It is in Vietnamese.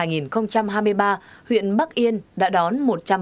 huyện bắc yên đã đón